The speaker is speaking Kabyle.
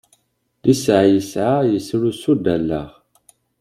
Lisseɛ yesɛa yesrus-d allaɣ.